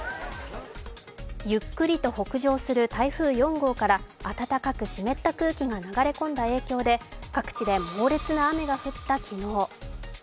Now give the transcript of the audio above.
ゆっくりと北上する台風４号から暖かく湿った空気が流れ込んだ影響で、各地で猛烈な雨が降った昨日。